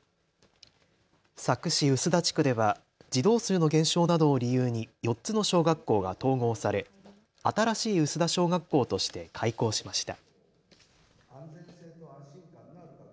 佐久市臼田地区では児童数の減少などを理由に４つの小学校が統合され新しい臼田小学校として開校しました。